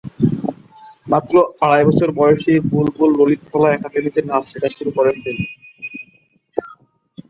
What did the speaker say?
মাত্র আড়াই বছর বয়সে বুলবুল ললিতকলা একাডেমিতে নাচ শেখা শুরু করেন তিনি।